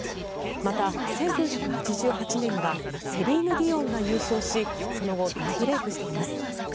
また、１９８８年にはセリーヌ・ディオンが優勝しその後、大ブレークしています。